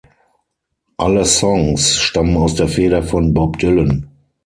Alle Songs stammen aus der Feder von Bob Dylan.